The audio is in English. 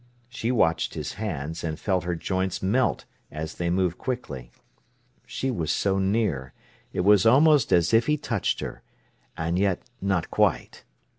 She watched his hands, and felt her joints melt as they moved quickly. She was so near; it was almost as if he touched her, and yet not quite.